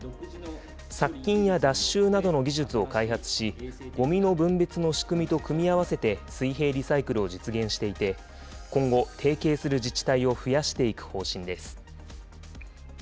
殺菌や脱臭などの技術を開発し、ごみの分別の仕組みと組み合わせて水平リサイクルを実現していて、今後、提携する自治体を増やしていく方針です。